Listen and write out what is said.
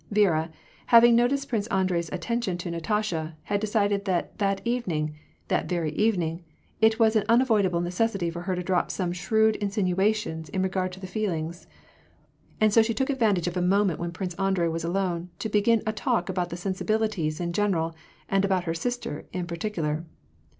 Viera, having noticed Prince Andrei's attention to Natasha, had decided that that evening, that very evening, it was an unavoidable necessity for her to drop some shrewd insinuations in regard to the feel ings ; and so she took advantage of a moment when Prince Andrei was alone to begin a talk about the sensibilities in gen eral, and about her sister in particular.